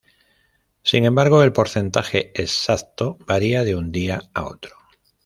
Sin embargo, el porcentaje exacto varía de un día a otro.